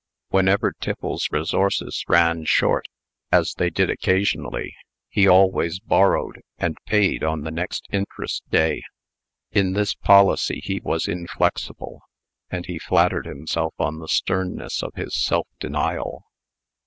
Whenever Tiffles's resources ran short, as they did occasionally, he always borrowed, and paid on the next interest day. In this policy he was inflexible; and he flattered himself on the sternness of his self denial.